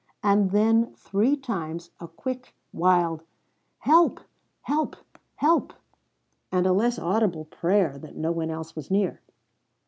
And then three times a quick, wild "Help Help Help!" and a less audible prayer that no one else was near.